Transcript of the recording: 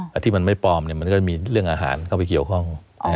แต่ที่มันไม่ปลอมมันก็จะมีเรื่องอาหารเข้าไปเกี่ยวข้อง